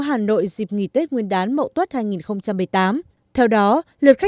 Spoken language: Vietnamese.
hà nội ho chi minh đà nẵng và các thành phố lớn khác